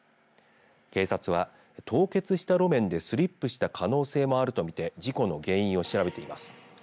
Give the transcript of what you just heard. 警察は凍結した路面でスリップした可能性もあると見て事故の原因を調べています。